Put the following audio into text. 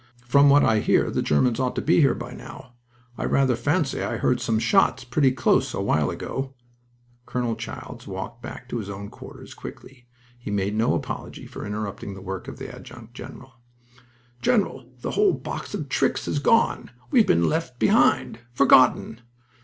From what I hear the Germans ought to be here by now. I rather fancy I heard some shots pretty close awhile ago." Colonel Childs walked back to his own quarters quickly. He made no apology for interrupting the work of the adjutant general. "General, the whole box of tricks has gone. We've been left behind. Forgotten!"